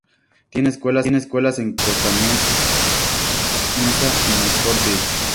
Tiene escuelas en Costa Mesa y Newport Beach.